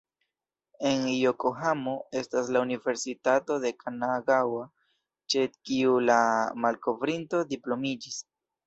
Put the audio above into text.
En Jokohamo estas la Universitato de Kanagaŭa, ĉe kiu la malkovrinto diplomiĝis.